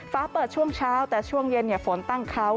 ฟ้าเปิดช่วงเช้าแต่ช่วงเย็นฝนตั้งเขา